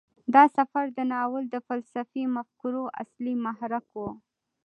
دا سفر د ناول د فلسفي مفکورو اصلي محرک و.